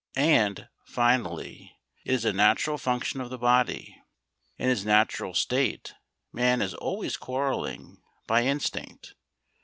And, finally, it is a natural function of the body. In his natural state man is always quarrelling by instinct.